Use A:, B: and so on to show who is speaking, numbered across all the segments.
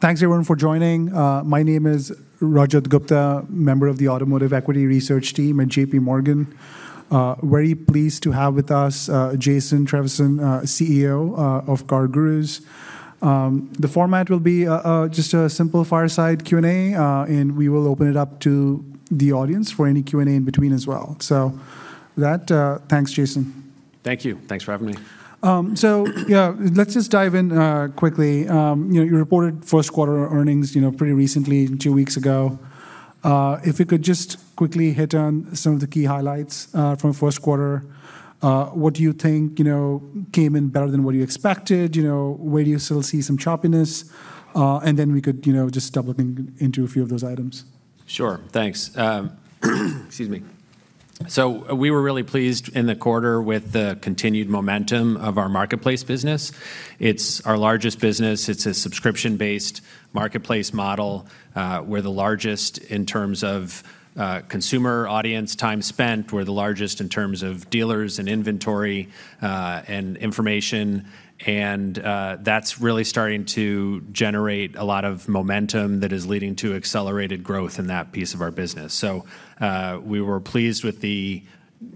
A: Thanks everyone for joining. My name is Rajat Gupta, member of the Automotive Equity Research Team at JPMorgan. Very pleased to have with us, Jason Trevisan, CEO of CarGurus. The format will be a just a simple fireside Q&A, and we will open it up to the audience for any Q&A in between as well. So with that, thanks, Jason.
B: Thank you. Thanks for having me.
A: So yeah, let's just dive in quickly. You know, you reported first quarter earnings, you know, pretty recently, two weeks ago. If you could just quickly hit on some of the key highlights from first quarter. What do you think, you know, came in better than what you expected? You know, where do you still see some choppiness? And then we could, you know, just double-click into a few of those items. Sure, thanks. Excuse me. So we were really pleased in the quarter with the continued momentum of our marketplace business. It's our largest business. It's a subscription-based marketplace model. We're the largest in terms of, consumer audience, time spent. We're the largest in terms of dealers and inventory, and information, and, that's really starting to generate a lot of momentum that is leading to accelerated growth in that piece of our business. So, we were pleased with the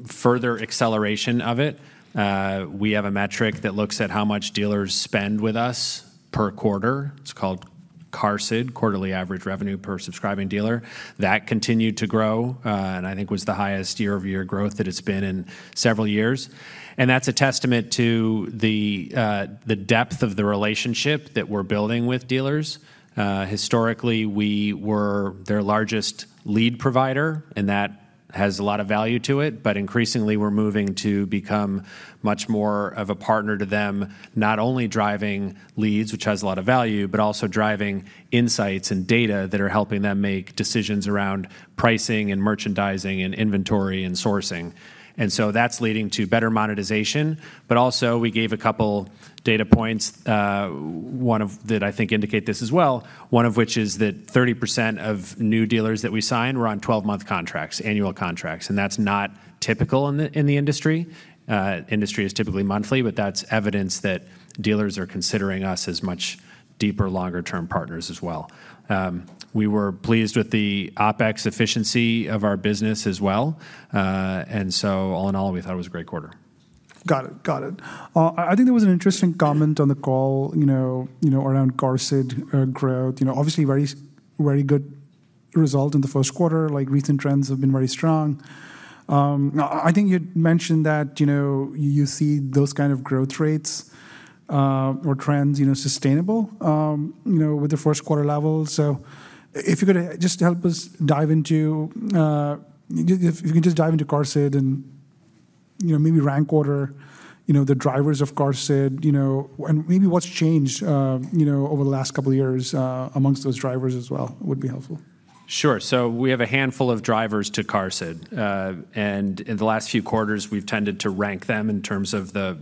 A: further acceleration of it. We have a metric that looks at how much dealers spend with us per quarter. It's called QARSD, Quarterly Average Revenue per Subscribing Dealer. That continued to grow, and I think was the highest year-over-year growth that it's been in several years. And that's a testament to the, the depth of the relationship that we're building with dealers. Historically, we were their largest lead provider, and that has a lot of value to it. But increasingly, we're moving to become much more of a partner to them, not only driving leads, which has a lot of value, but also driving insights and data that are helping them make decisions around pricing and merchandising and inventory and sourcing. And so that's leading to better monetization. But also, we gave a couple data points, one of which is that 30% of new dealers that we sign were on 12-month contracts, annual contracts, and that's not typical in the industry. Industry is typically monthly, but that's evidence that dealers are considering us as much deeper, longer-term partners as well. We were pleased with the OpEx efficiency of our business as well. And so all in all, we thought it was a great quarter. Got it. Got it. I think there was an interesting comment on the call, you know, you know, around QARSD growth. You know, obviously, very good result in the first quarter, like, recent trends have been very strong. I think you'd mentioned that, you know, you see those kind of growth rates or trends, you know, sustainable, you know, with the first quarter level. So if you could just help us dive into, if you can just dive into QARSD and, you know, maybe rank order, you know, the drivers of QARSD, you know, and maybe what's changed, you know, over the last couple of years, amongst those drivers as well, would be helpful.
B: Sure. So we have a handful of drivers to QARSD, and in the last few quarters, we've tended to rank them in terms of the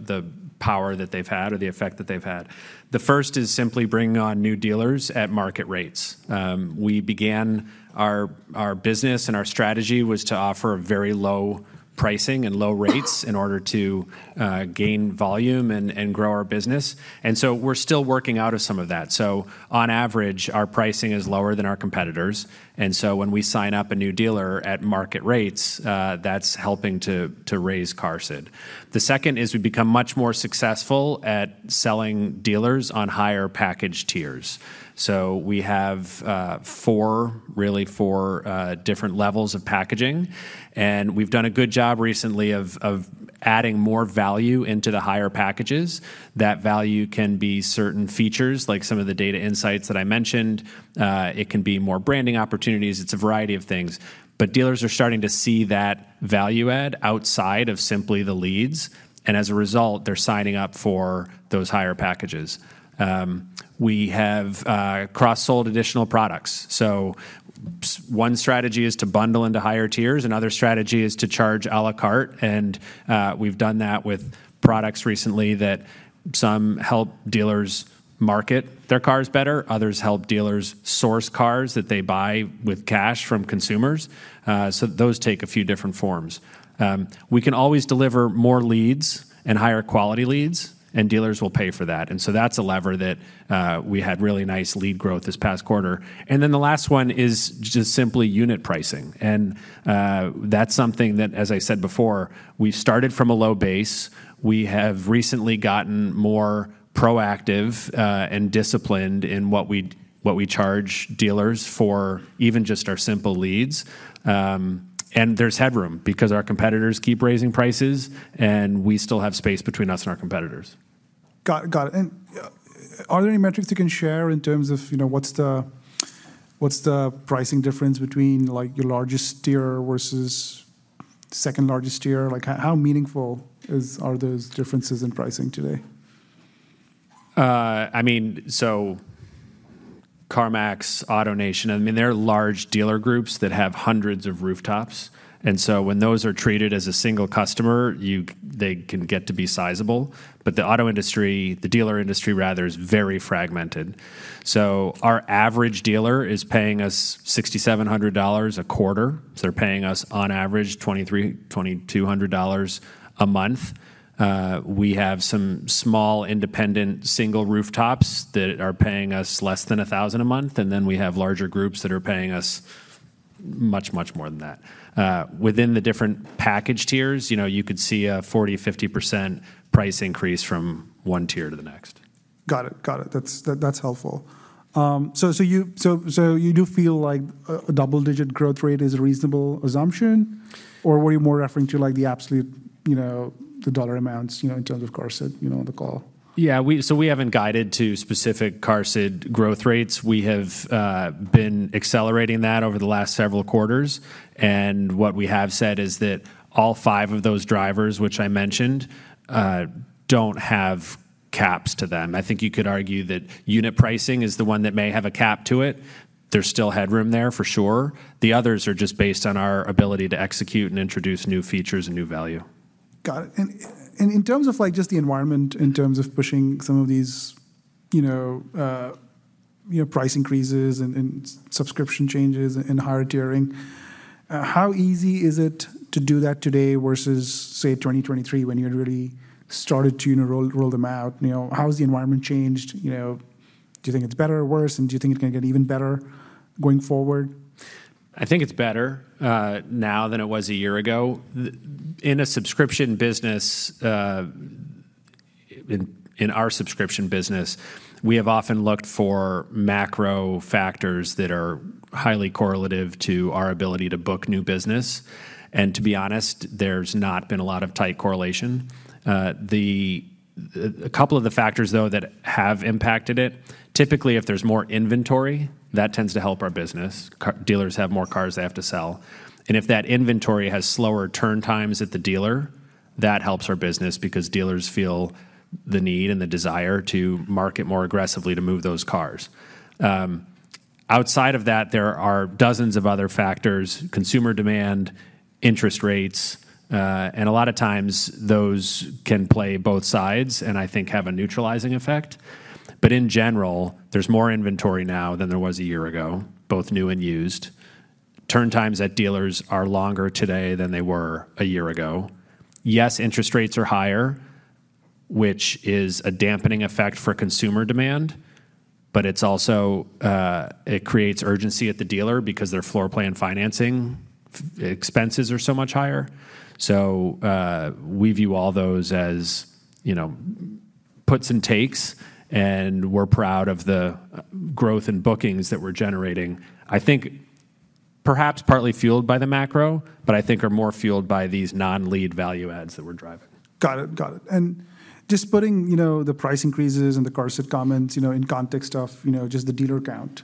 B: power that they've had or the effect that they've had. The first is simply bringing on new dealers at market rates. We began our business, and our strategy was to offer very low pricing and low rates in order to gain volume and grow our business. And so we're still working out of some of that. So on average, our pricing is lower than our competitors, and so when we sign up a new dealer at market rates, that's helping to raise QARSD. The second is, we've become much more successful at selling dealers on higher package tiers. So we have four, really four, different levels of packaging, and we've done a good job recently of adding more value into the higher packages. That value can be certain features, like some of the data insights that I mentioned. It can be more branding opportunities. It's a variety of things. But dealers are starting to see that value add outside of simply the leads, and as a result, they're signing up for those higher packages. We have cross-sold additional products. So one strategy is to bundle into higher tiers, another strategy is to charge à la carte, and we've done that with products recently that some help dealers market their cars better, others help dealers source cars that they buy with cash from consumers. So those take a few different forms. We can always deliver more leads and higher quality leads, and dealers will pay for that. And so that's a lever that we had really nice lead growth this past quarter. And then the last one is just simply unit pricing, and that's something that, as I said before, we started from a low base. We have recently gotten more proactive and disciplined in what we charge dealers for even just our simple leads. And there's headroom because our competitors keep raising prices, and we still have space between us and our competitors.
A: Got it. Got it, and, are there any metrics you can share in terms of, you know, what's the pricing difference between, like, your largest tier versus second-largest tier? Like, how meaningful are those differences in pricing today?
B: I mean, so CarMax, AutoNation, I mean, they're large dealer groups that have hundreds of rooftops, and so when those are treated as a single customer, they can get to be sizable. But the auto industry, the dealer industry, rather, is very fragmented. So our average dealer is paying us $6,700 a quarter. So they're paying us, on average, $2,300-$2,200 a month. We have some small, independent, single rooftops that are paying us less than $1,000 a month, and then we have larger groups that are paying us much, much more than that. Within the different package tiers, you know, you could see a 40%-50% price increase from one tier to the next.
A: Got it. Got it. That's helpful. So, you do feel like a double-digit growth rate is a reasonable assumption? Or were you more referring to, like, the absolute, you know, the dollar amounts, you know, in terms of QARSD, you know, on the call?
B: Yeah, so we haven't guided to specific QARSD growth rates. We have been accelerating that over the last several quarters, and what we have said is that all five of those drivers, which I mentioned, don't have caps to them. I think you could argue that unit pricing is the one that may have a cap to it. There's still headroom there, for sure. The others are just based on our ability to execute and introduce new features and new value.
A: Got it. In terms of, like, just the environment, in terms of pushing some of these, you know, price increases and subscription changes and higher tiering, how easy is it to do that today versus, say, 2023, when you had really started to, you know, roll them out? You know, how has the environment changed, you know, do you think it's better or worse, and do you think it's gonna get even better going forward?
B: I think it's better now than it was a year ago. In a subscription business, in our subscription business, we have often looked for macro factors that are highly correlative to our ability to book new business, and to be honest, there's not been a lot of tight correlation. A couple of the factors, though, that have impacted it, typically, if there's more inventory, that tends to help our business. Dealers have more cars they have to sell. And if that inventory has slower turn times at the dealer, that helps our business because dealers feel the need and the desire to market more aggressively to move those cars. Outside of that, there are dozens of other factors: consumer demand, interest rates, and a lot of times those can play both sides and I think have a neutralizing effect. But in general, there's more inventory now than there was a year ago, both new and used. Turn times at dealers are longer today than they were a year ago. Yes, interest rates are higher, which is a dampening effect for consumer demand, but it's also, it creates urgency at the dealer because their floor plan financing expenses are so much higher. So, we view all those as, you know, puts and takes, and we're proud of the growth in bookings that we're generating. I think perhaps partly fueled by the macro, but I think are more fueled by these non-lead value adds that we're driving.
A: Got it. Got it. And just putting, you know, the price increases and the QARSD comments, you know, in context of, you know, just the dealer count,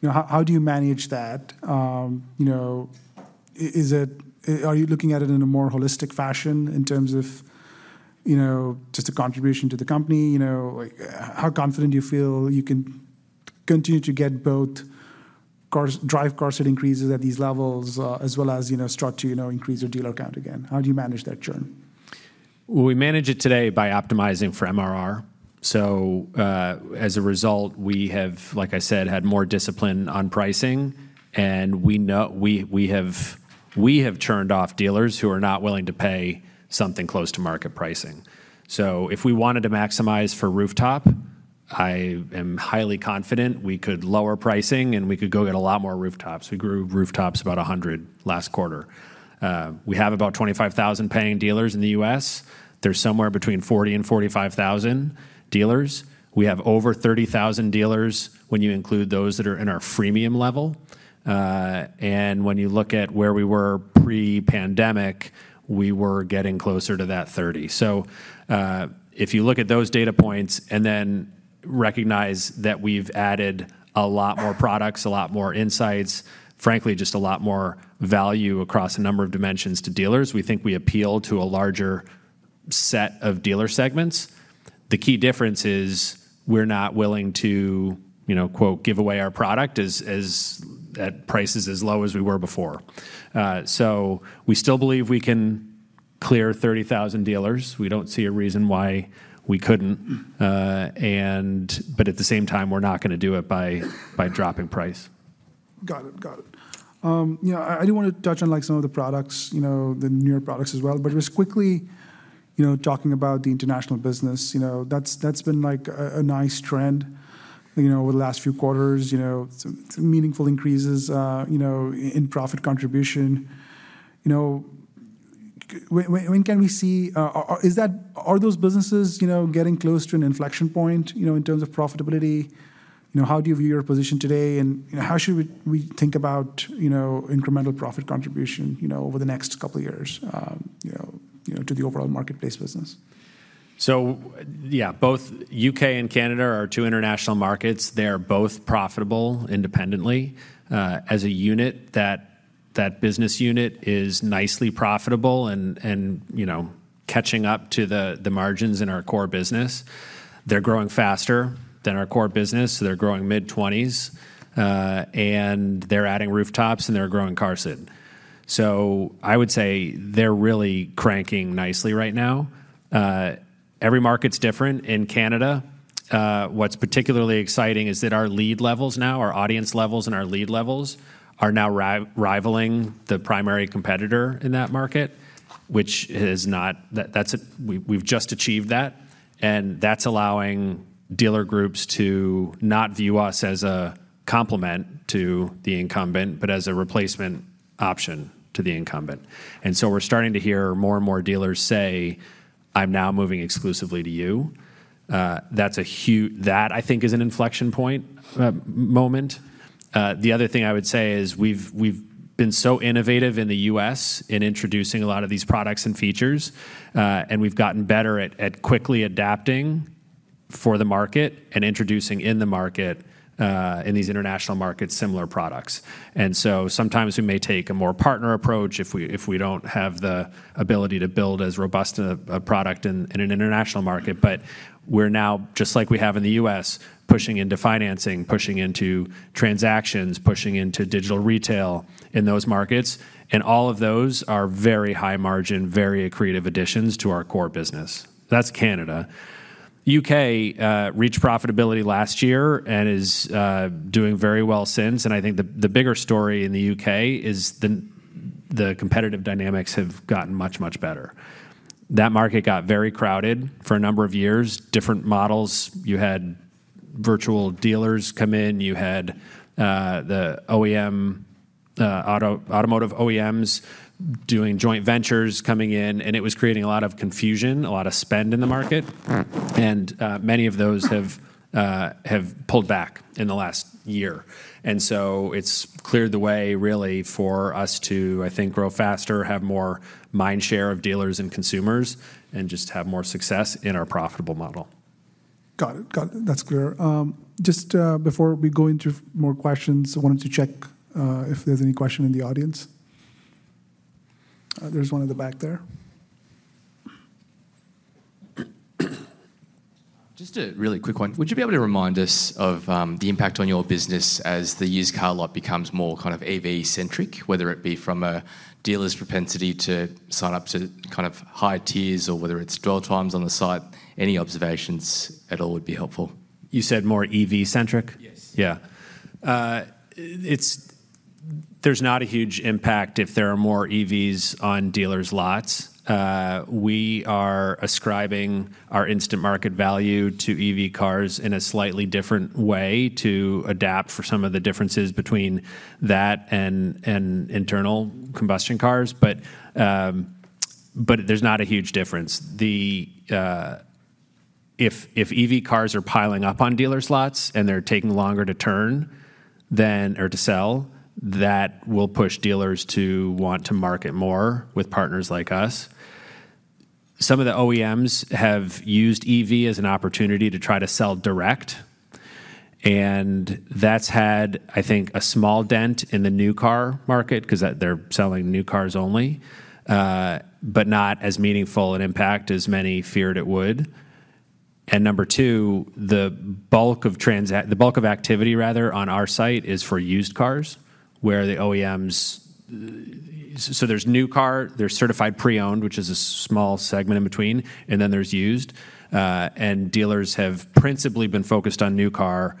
A: you know, how, how do you manage that? You know, is it, are you looking at it in a more holistic fashion in terms of, you know, just a contribution to the company? You know, like, how confident do you feel you can continue to get both QARSD... drive QARSD increases at these levels, as well as, you know, start to, you know, increase your dealer count again? How do you manage that journey?
B: We manage it today by optimizing for MRR. So, as a result, we have, like I said, had more discipline on pricing, and we know we have churned off dealers who are not willing to pay something close to market pricing. So if we wanted to maximize for rooftop, I am highly confident we could lower pricing, and we could go get a lot more rooftops. We grew rooftops about 100 last quarter. We have about 25,000 paying dealers in the U.S. There's somewhere between 40,000 and 45,000 dealers. We have over 30,000 dealers when you include those that are in our freemium level. And when you look at where we were pre-pandemic, we were getting closer to that 30. So, if you look at those data points and then recognize that we've added a lot more products, a lot more insights, frankly, just a lot more value across a number of dimensions to dealers, we think we appeal to a larger set of dealer segments. The key difference is we're not willing to, you know, quote, "give away our product" as, as, at prices as low as we were before. So we still believe we can clear 30,000 dealers. We don't see a reason why we couldn't. But at the same time, we're not gonna do it by, by dropping price.
A: Got it. Got it. You know, I, I do wanna touch on, like, some of the products, you know, the newer products as well, but just quickly, you know, talking about the international business, you know, that's, that's been, like, a, a nice trend, you know, over the last few quarters, you know, some, some meaningful increases, you know, in, in profit contribution. You know, when, when can we see or is that, are those businesses, you know, getting close to an inflection point, you know, in terms of profitability? You know, how do you view your position today, and, you know, how should we, we think about, you know, incremental profit contribution, you know, over the next couple of years, you know, you know, to the overall marketplace business?
B: So yeah, both U.K. and Canada are our two international markets. They are both profitable independently. As a unit, that business unit is nicely profitable and, you know, catching up to the margins in our core business. They're growing faster than our core business. They're growing mid-20s, and they're adding rooftops, and they're growing QARSD. So I would say they're really cranking nicely right now. Every market's different. In Canada, what's particularly exciting is that our lead levels now, our audience levels and our lead levels, are now rivaling the primary competitor in that market, which is not—that's—we've just achieved that... and that's allowing dealer groups to not view us as a complement to the incumbent, but as a replacement option to the incumbent. And so we're starting to hear more and more dealers say, "I'm now moving exclusively to you." That's huge. That I think is an inflection point moment. The other thing I would say is we've been so innovative in the U.S. in introducing a lot of these products and features, and we've gotten better at quickly adapting for the market and introducing in the market, in these international markets, similar products. And so sometimes we may take a more partner approach if we don't have the ability to build as robust a product in an international market. But we're now, just like we have in the U.S., pushing into financing, pushing into transactions, pushing into digital retail in those markets, and all of those are very high margin, very accretive additions to our core business. That's Canada. UK reached profitability last year and is doing very well since. And I think the bigger story in the UK is the competitive dynamics have gotten much, much better. That market got very crowded for a number of years, different models. You had virtual dealers come in, you had the OEM, automotive OEMs doing joint ventures coming in, and it was creating a lot of confusion, a lot of spend in the market, and many of those have pulled back in the last year. And so it's cleared the way, really, for us to, I think, grow faster, have more mind share of dealers and consumers, and just have more success in our profitable model.
A: Got it. Got it. That's clear. Just, before we go into more questions, I wanted to check if there's any question in the audience. There's one in the back there.
C: Just a really quick one. Would you be able to remind us of the impact on your business as the used car lot becomes more kind of EV-centric, whether it be from a dealer's propensity to sign up to kind of higher tiers or whether it's dwell times on the site? Any observations at all would be helpful.
B: You said more EV-centric?
C: Yes.
B: Yeah. It's not a huge impact if there are more EVs on dealers' lots. We are ascribing our Instant Market Value to EV cars in a slightly different way to adapt for some of the differences between that and internal combustion cars. But there's not a huge difference. If EV cars are piling up on dealers' lots and they're taking longer to turn than or to sell, that will push dealers to want to market more with partners like us. Some of the OEMs have used EV as an opportunity to try to sell direct, and that's had, I think, a small dent in the new car market 'cause that they're selling new cars only, but not as meaningful an impact as many feared it would. And number two, the bulk of activity, rather, on our site is for used cars, where the OEMs... So there's new car, there's certified pre-owned, which is a small segment in between, and then there's used. And dealers have principally been focused on new car.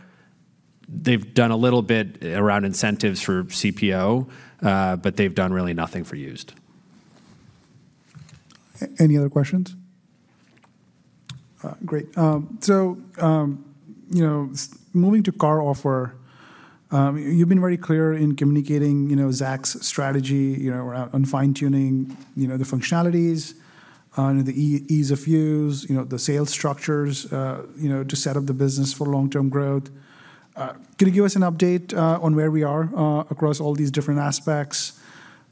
B: They've done a little bit around incentives for CPO, but they've done really nothing for used.
A: Any other questions? Great. So, you know, moving to CarOffer, you've been very clear in communicating, you know, Zach's strategy, you know, around on fine-tuning, you know, the functionalities, the ease of use, you know, the sales structures, you know, to set up the business for long-term growth. Can you give us an update on where we are across all these different aspects?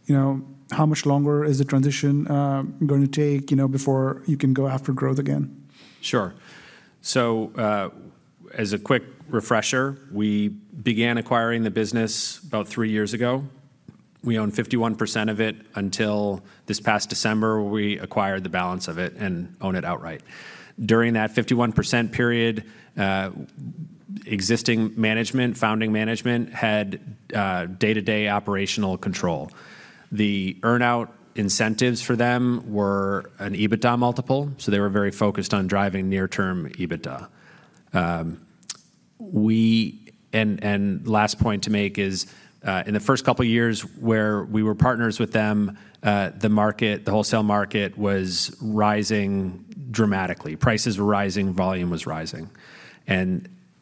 A: You know, how much longer is the transition going to take, you know, before you can go after growth again?
B: Sure. So, as a quick refresher, we began acquiring the business about three years ago. We owned 51% of it until this past December, where we acquired the balance of it and own it outright. During that 51% period, existing management, founding management, had day-to-day operational control. The earn-out incentives for them were an EBITDA multiple, so they were very focused on driving near-term EBITDA. And, and last point to make is, in the first couple of years where we were partners with them, the market, the wholesale market, was rising dramatically. Prices were rising, volume was rising.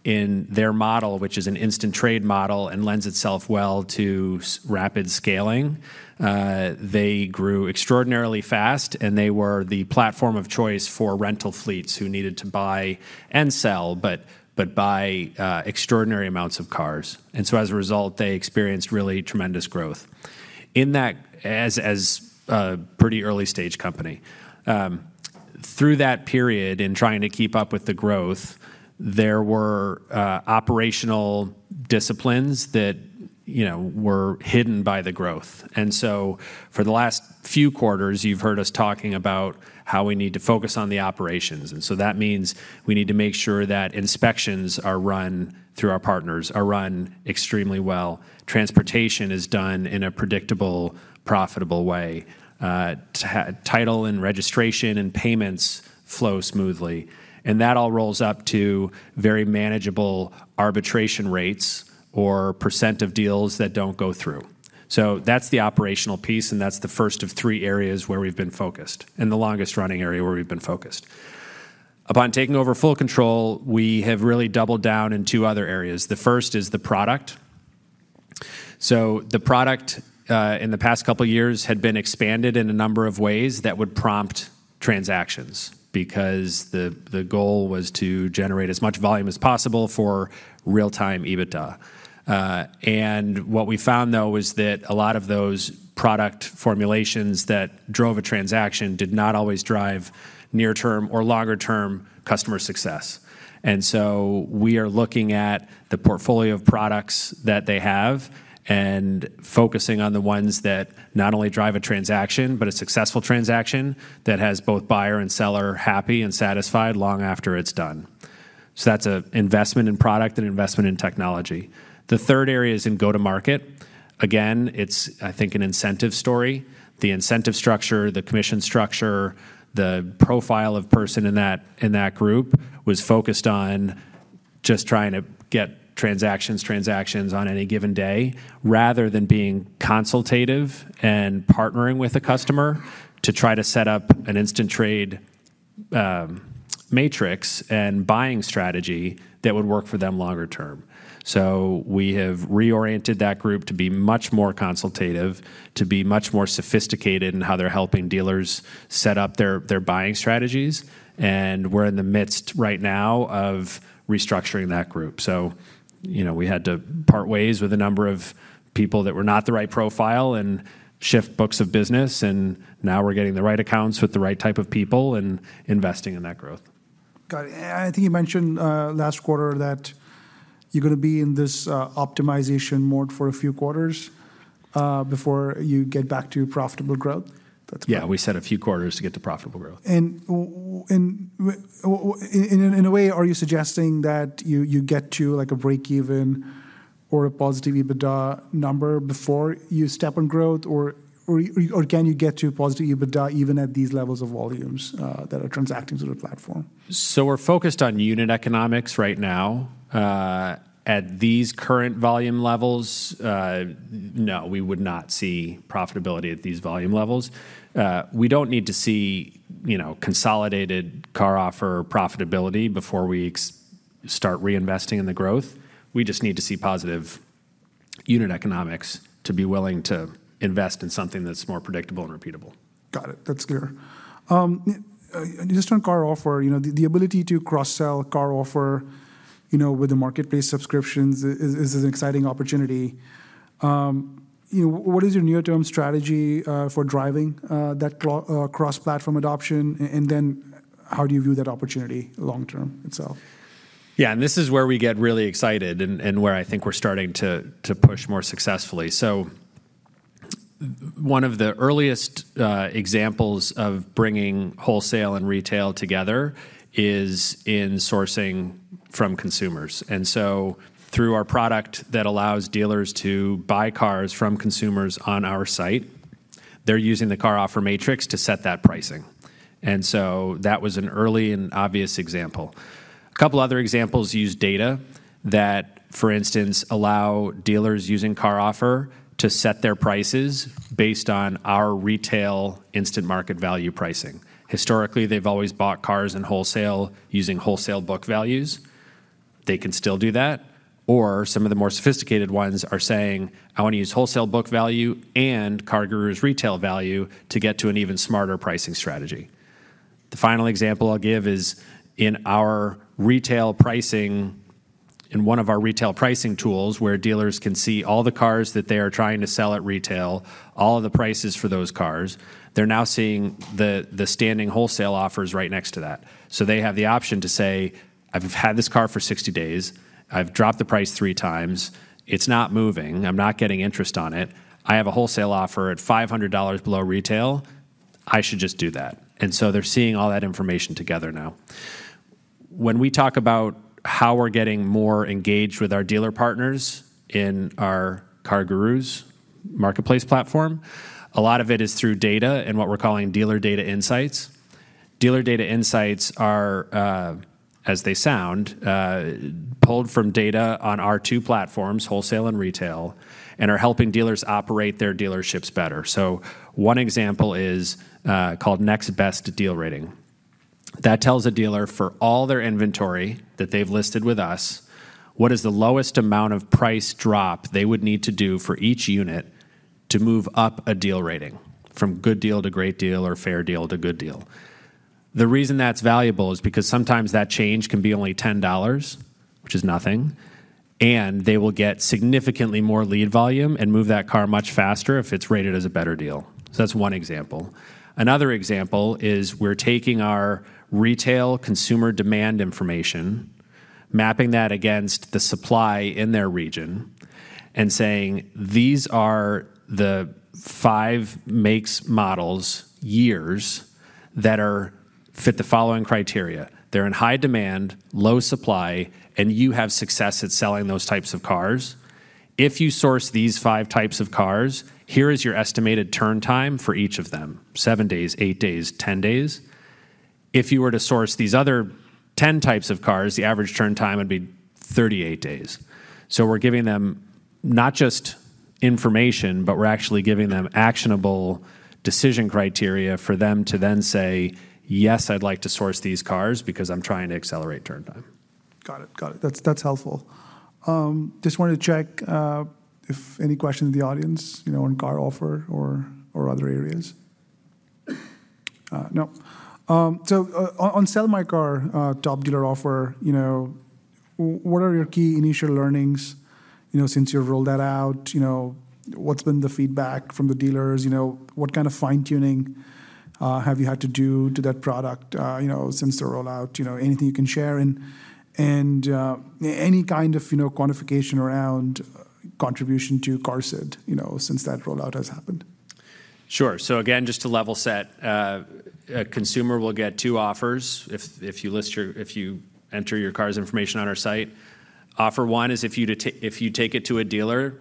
B: In their model, which is an instant trade model and lends itself well to rapid scaling, they grew extraordinarily fast, and they were the platform of choice for rental fleets who needed to buy and sell, but buy extraordinary amounts of cars. So, as a result, they experienced really tremendous growth in that as a pretty early-stage company. Through that period, in trying to keep up with the growth, there were operational disciplines that, you know, were hidden by the growth. So for the last few quarters, you've heard us talking about how we need to focus on the operations. So that means we need to make sure that inspections are run through our partners, are run extremely well, transportation is done in a predictable, profitable way, title and registration and payments flow smoothly. That all rolls up to very manageable arbitration rates or percent of deals that don't go through. That's the operational piece, and that's the first of three areas where we've been focused, and the longest-running area where we've been focused. Upon taking over full control, we have really doubled down in two other areas. The first is the product. The product, in the past couple of years had been expanded in a number of ways that would prompt transactions, because the goal was to generate as much volume as possible for real-time EBITDA. And what we found, though, was that a lot of those product formulations that drove a transaction did not always drive near-term or longer-term customer success. We are looking at the portfolio of products that they have and focusing on the ones that not only drive a transaction, but a successful transaction that has both buyer and seller happy and satisfied long after it's done. That's an investment in product and investment in technology. The third area is in go-to-market. Again, it's, I think, an incentive story. The incentive structure, the commission structure, the profile of person in that, in that group was focused on just trying to get transactions, transactions on any given day, rather than being consultative and partnering with a customer to try to set up an instant trade, Matrix and buying strategy that would work for them longer term. So we have reoriented that group to be much more consultative, to be much more sophisticated in how they're helping dealers set up their buying strategies, and we're in the midst right now of restructuring that group. So, you know, we had to part ways with a number of people that were not the right profile and shift books of business, and now we're getting the right accounts with the right type of people and investing in that growth.
A: Got it. I think you mentioned last quarter that you're gonna be in this optimization mode for a few quarters before you get back to profitable growth? That's-
B: Yeah, we said a few quarters to get to profitable growth.
A: And in a way, are you suggesting that you get to, like, a break-even or a positive EBITDA number before you step on growth, or can you get to positive EBITDA even at these levels of volumes that are transacting through the platform?
B: We're focused on unit economics right now. At these current volume levels, no, we would not see profitability at these volume levels. We don't need to see, you know, consolidated CarOffer profitability before we start reinvesting in the growth. We just need to see positive unit economics to be willing to invest in something that's more predictable and repeatable.
A: Got it. That's clear. Just on CarOffer, you know, the ability to cross-sell CarOffer, you know, with the marketplace subscriptions is an exciting opportunity. You know, what is your near-term strategy for driving that cross-platform adoption, and then how do you view that opportunity long term itself?
B: Yeah, and this is where we get really excited and, and where I think we're starting to, to push more successfully. So one of the earliest examples of bringing wholesale and retail together is in sourcing from consumers, and so through our product that allows dealers to buy cars from consumers on our site, they're using the CarOffer Matrix to set that pricing. And so that was an early and obvious example. A couple other examples use data that, for instance, allow dealers using CarOffer to set their prices based on our retail Instant Market Value pricing. Historically, they've always bought cars in wholesale using wholesale book values. They can still do that, or some of the more sophisticated ones are saying, "I want to use wholesale book value and CarGurus retail value to get to an even smarter pricing strategy." The final example I'll give is in one of our retail pricing tools, where dealers can see all the cars that they are trying to sell at retail, all of the prices for those cars, they're now seeing the standing wholesale offers right next to that. So they have the option to say, "I've had this car for 60 days. I've dropped the price 3x. It's not moving. I'm not getting interest on it. I have a wholesale offer at $500 below retail. I should just do that." And so they're seeing all that information together now. When we talk about how we're getting more engaged with our dealer partners in our CarGurus marketplace platform, a lot of it is through data and what we're calling Dealer Data Insights. Dealer Data Insights are, as they sound, pulled from data on our two platforms, wholesale and retail, and are helping dealers operate their dealerships better. One example is called Next Best Deal Rating. That tells a dealer for all their inventory that they've listed with us, what is the lowest amount of price drop they would need to do for each unit to move up a deal rating, from Good Deal to Great Deal or Fair Deal to Good Deal? The reason that's valuable is because sometimes that change can be only $10, which is nothing, and they will get significantly more lead volume and move that car much faster if it's rated as a better deal. So that's one example. Another example is we're taking our retail consumer demand information, mapping that against the supply in their region, and saying, "These are the five makes, models, years that fit the following criteria: They're in high demand, low supply, and you have success at selling those types of cars. If you source these five types of cars, here is your estimated turn time for each of them, seven days, eight days, 10 days. If you were to source these other 10 types of cars, the average turn time would be 38 days." So we're giving them not just-... Information, but we're actually giving them actionable decision criteria for them to then say, "Yes, I'd like to source these cars because I'm trying to accelerate turn time.
A: Got it. Got it. That's, that's helpful. Just wanted to check if any questions in the audience, you know, on CarOffer or other areas? No. So, on Sell My Car, Top Dealer Offer, you know, what are your key initial learnings, you know, since you've rolled that out? You know, what's been the feedback from the dealers? You know, what kind of fine-tuning have you had to do to that product, you know, since the rollout? You know, anything you can share and any kind of, you know, quantification around contribution to QARSD, you know, since that rollout has happened.
B: Sure. So again, just to level set, a consumer will get two offers if you enter your car's information on our site. Offer one is if you take it to a dealer,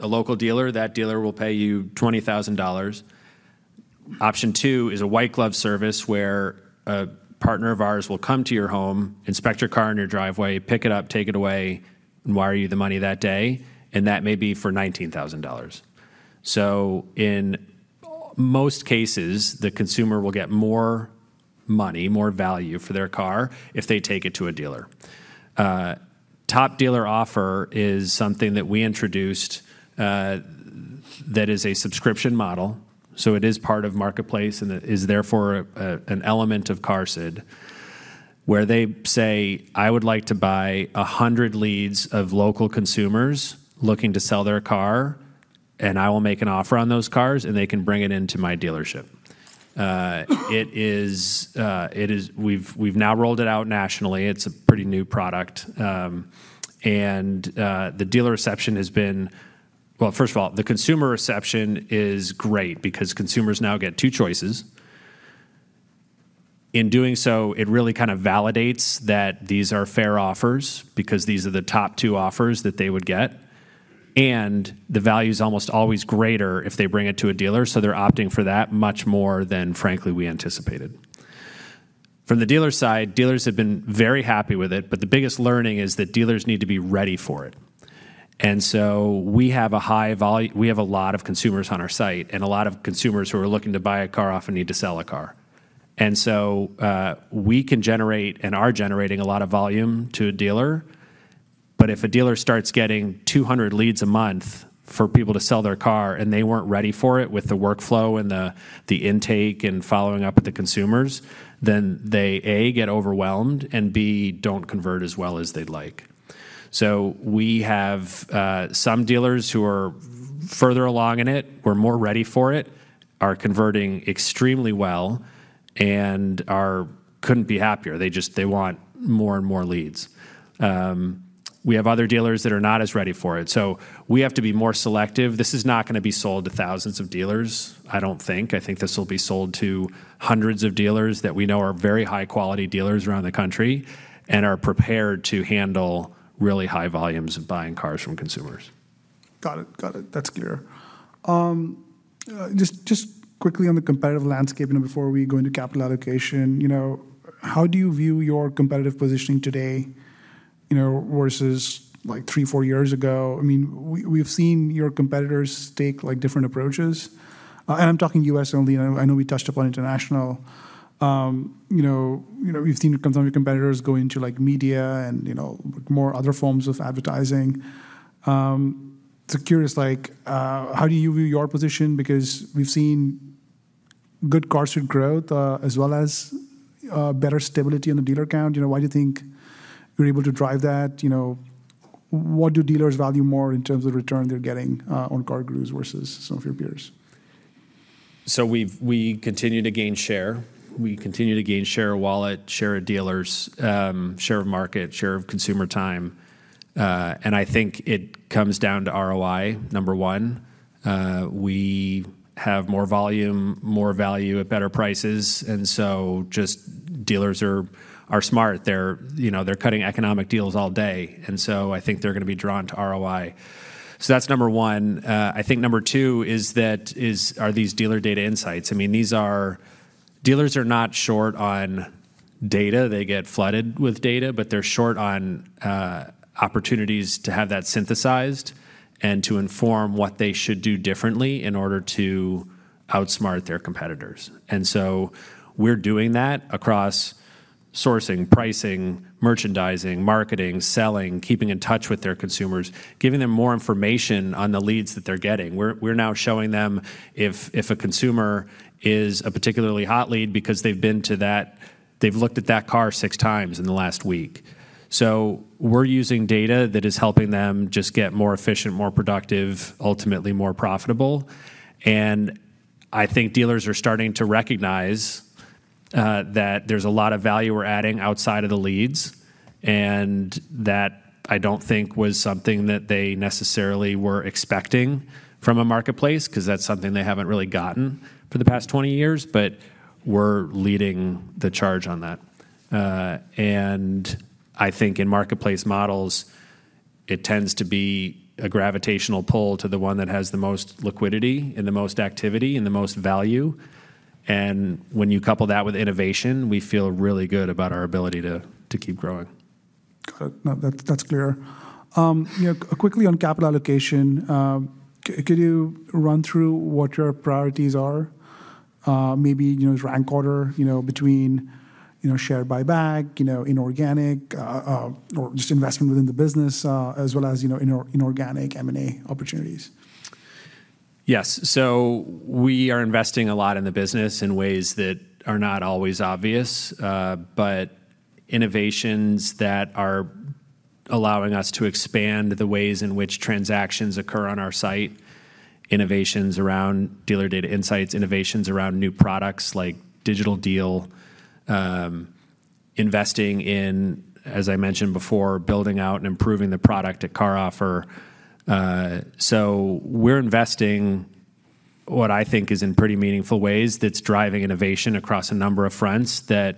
B: a local dealer, that dealer will pay you $20,000. Option two is a white glove service, where a partner of ours will come to your home, inspect your car in your driveway, pick it up, take it away, and wire you the money that day, and that may be for $19,000. So in most cases, the consumer will get more money, more value for their car if they take it to a dealer. Top Dealer Offer is something that we introduced, that is a subscription model, so it is part of Marketplace, and it is therefore an element of QARSD, where they say, "I would like to buy 100 leads of local consumers looking to sell their car, and I will make an offer on those cars, and they can bring it into my dealership." We've now rolled it out nationally. It's a pretty new product. The dealer reception has been … Well, first of all, the consumer reception is great because consumers now get two choices. In doing so, it really kind of validates that these are fair offers because these are the top two offers that they would get, and the value is almost always greater if they bring it to a dealer, so they're opting for that much more than, frankly, we anticipated. From the dealer side, dealers have been very happy with it, but the biggest learning is that dealers need to be ready for it. And so we have a lot of consumers on our site, and a lot of consumers who are looking to buy a car often need to sell a car. And so, we can generate and are generating a lot of volume to a dealer, but if a dealer starts getting 200 leads a month for people to sell their car, and they weren't ready for it with the workflow and the intake and following up with the consumers, then they, A, get overwhelmed, and B, don't convert as well as they'd like. So we have some dealers who are further along in it, who are more ready for it, are converting extremely well, and are couldn't be happier. They just, they want more and more leads. We have other dealers that are not as ready for it, so we have to be more selective. This is not gonna be sold to thousands of dealers, I don't think. I think this will be sold to hundreds of dealers that we know are very high-quality dealers around the country and are prepared to handle really high volumes of buying cars from consumers.
A: Got it. Got it. That's clear. Just quickly on the competitive landscape, and before we go into capital allocation, you know, how do you view your competitive positioning today, you know, versus, like, three-four years ago? I mean, we've seen your competitors take, like, different approaches. I'm talking U.S. only. I know, I know we touched upon international. You know, you know, we've seen some of your competitors go into, like, media and, you know, more other forms of advertising. Curious, like, how do you view your position? Because we've seen good QARSD growth, as well as, better stability on the dealer count. You know, why do you think you're able to drive that? You know, what do dealers value more in terms of return they're getting on CarGurus versus some of your peers?
B: So we continue to gain share. We continue to gain share of wallet, share of dealers, share of market, share of consumer time, and I think it comes down to ROI, number one. I think number two is that are these Dealer Data Insights. I mean, these are... Dealers are not short on data. They get flooded with data, but they're short on, opportunities to have that synthesized and to inform what they should do differently in order to outsmart their competitors. And so we're doing that across sourcing, pricing, merchandising, marketing, selling, keeping in touch with their consumers, giving them more information on the leads that they're getting. We're now showing them if a consumer is a particularly hot lead because they've been to that—they've looked at that car six times in the last week. So we're using data that is helping them just get more efficient, more productive, ultimately more profitable, and I think dealers are starting to recognize that there's a lot of value we're adding outside of the leads, and that I don't think was something that they necessarily were expecting from a marketplace, 'cause that's something they haven't really gotten for the past 20 years. But we're leading the charge on that. And I think in marketplace models, it tends to be a gravitational pull to the one that has the most liquidity, and the most activity, and the most value, and when you couple that with innovation, we feel really good about our ability to keep growing....
A: Got it. No, that's, that's clear. You know, quickly on capital allocation, could you run through what your priorities are? Maybe, you know, rank order, you know, between, you know, share buyback, you know, inorganic, or just investment within the business, as well as, you know, inorganic M&A opportunities.
B: Yes. So we are investing a lot in the business in ways that are not always obvious, but innovations that are allowing us to expand the ways in which transactions occur on our site, innovations around dealer data insights, innovations around new products like Digital Deal, investing in, as I mentioned before, building out and improving the product at CarOffer. So we're investing what I think is in pretty meaningful ways that's driving innovation across a number of fronts that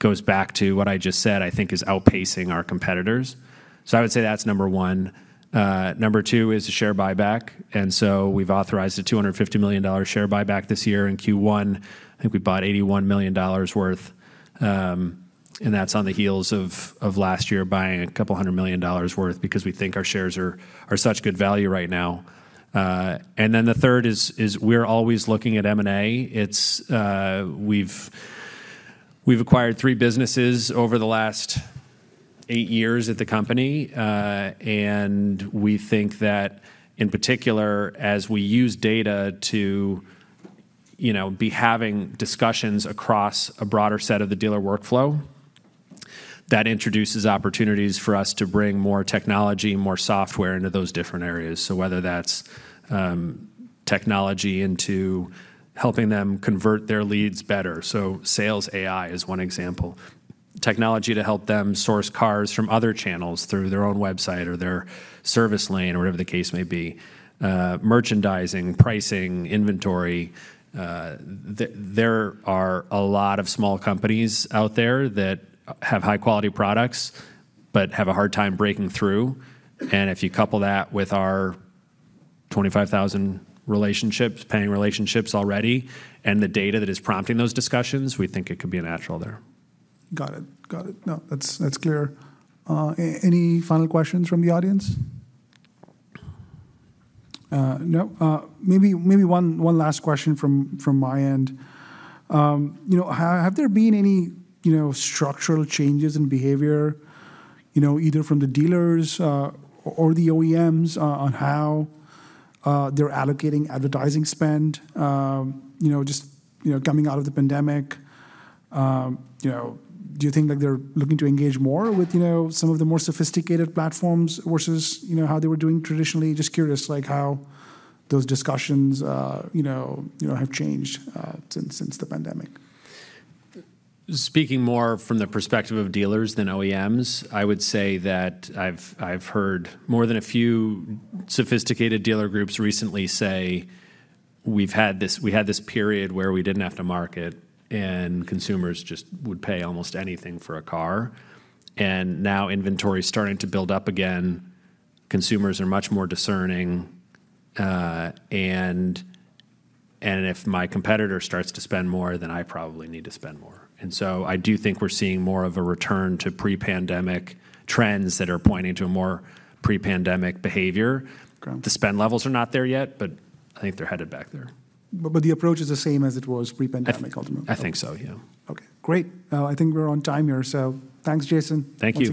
B: goes back to what I just said, I think is outpacing our competitors. So I would say that's number one. Number two is the share buyback, and so we've authorized a $250 million share buyback this year. In Q1, I think we bought $81 million worth, and that's on the heels of last year buying $200 million worth because we think our shares are such good value right now. And then the third is we're always looking at M&A. It's. We've acquired three businesses over the last eight years at the company, and we think that, in particular, as we use data to, you know, be having discussions across a broader set of the dealer workflow, that introduces opportunities for us to bring more technology, more software into those different areas. So whether that's technology into helping them convert their leads better, so sales AI is one example. Technology to help them source cars from other channels through their own website or their service lane or whatever the case may be. Merchandising, pricing, inventory. There are a lot of small companies out there that have high-quality products but have a hard time breaking through, and if you couple that with our 25,000 relationships, paying relationships already, and the data that is prompting those discussions, we think it could be a natural there.
A: Got it. Got it. No, that's, that's clear. Any final questions from the audience? No? Maybe, maybe one, one last question from, from my end. You know, have there been any, you know, structural changes in behavior, you know, either from the dealers, or the OEMs, on how they're allocating advertising spend? You know, just, you know, coming out of the pandemic, you know, do you think, like, they're looking to engage more with, you know, some of the more sophisticated platforms versus, you know, how they were doing traditionally? Just curious, like, how those discussions, you know, have changed, since the pandemic.
B: Speaking more from the perspective of dealers than OEMs, I would say that I've heard more than a few sophisticated dealer groups recently say, "We had this period where we didn't have to market, and consumers just would pay almost anything for a car. And now inventory is starting to build up again. Consumers are much more discerning, and if my competitor starts to spend more, then I probably need to spend more." And so I do think we're seeing more of a return to pre-pandemic trends that are pointing to a more pre-pandemic behavior.
A: Okay.
B: The spend levels are not there yet, but I think they're headed back there.
A: But the approach is the same as it was pre-pandemic, ultimately?
B: I think so, yeah.
A: Okay, great. I think we're on time here, so thanks, Jason.
B: Thank you.